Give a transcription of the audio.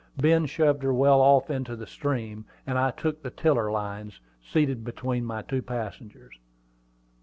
Ben shoved her well off into the stream, and I took the tiller lines, seated between my two passengers.